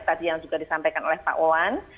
tadi yang juga disampaikan oleh pak wawan